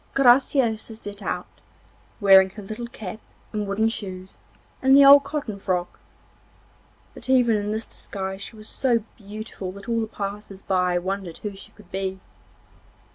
Graciosa set out, wearing her little cap and wooden shoes and the old cotton frock, but even in this disguise she was so beautiful that all the passers by wondered who she could be.